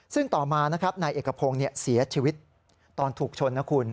ซึ่งต่อมานะครับนายเอกพงศ์เสียชีวิตตอนถูกชนนะคุณ